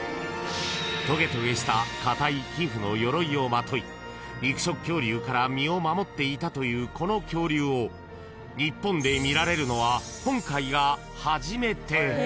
［トゲトゲした硬い皮膚のよろいをまとい肉食恐竜から身を守っていたというこの恐竜を日本で見られるのは今回が初めて］